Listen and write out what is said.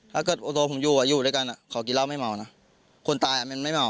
ถ้าตัวผมอยู่อยู่ด้วยกันเขากินเหล้าไม่เมานะคนตายมันไม่เมา